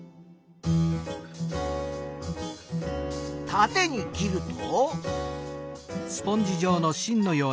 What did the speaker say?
たてに切ると。